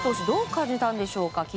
どう感じたんでしょうか。